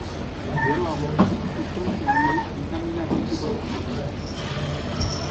Geroago, sustantzia horiei bitamina deituko zitzaien.